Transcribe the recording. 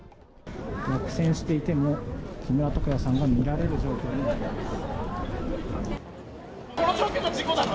落選していても、木村拓哉さんが見られる状況になっています。